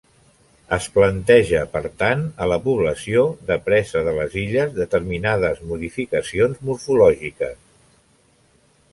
Es planteja, per tant, a la població de presa de les Illes, determinades modificacions morfològiques.